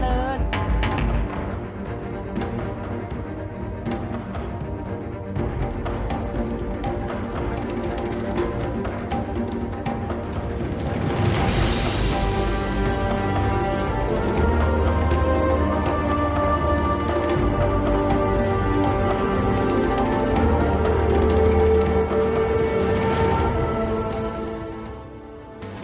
มีใครอยู่ในส่วนไว้